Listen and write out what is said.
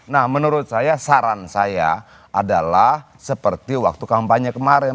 nah menurut saya saran saya adalah seperti waktu kampanye kemarin